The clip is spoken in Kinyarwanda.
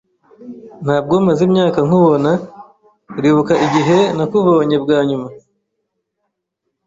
Ntabwo maze imyaka nkubona. Uribuka igihe nakubonye bwa nyuma?